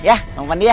ya bang pandi ya